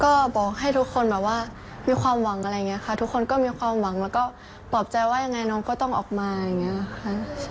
ก็บอกให้ทุกคนแบบว่ามีความหวังอะไรอย่างนี้ค่ะทุกคนก็มีความหวังแล้วก็ปลอบใจว่ายังไงน้องก็ต้องออกมาอย่างนี้ค่ะ